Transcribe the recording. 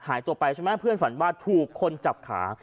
หายตัวไปใช่ไหมเพื่อนฝันว่าถูกคนจับขา